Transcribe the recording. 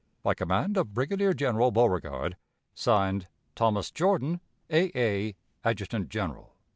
"By command of Brigadier General Beauregard: (Signed) "Thomas Jordan, _A. A. Adjutant General.